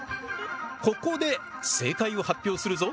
ここで正解を発表するぞ。